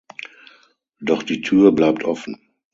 Doch die Tür bleibt offen.